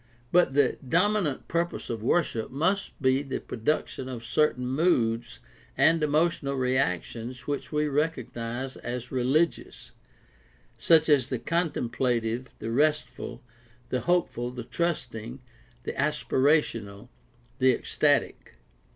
But the dominant purpose of worship must be the production of cer tain moods and emotional reactions which we recognize as religious, such as the contemplative, the restful, the hopeful, the trusting, the aspirational, the ecstatic.